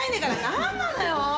何なのよ。